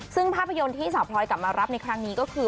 ซึ่งภาพยนตร์ที่สาวพลอยกลับมารับในครั้งนี้ก็คือ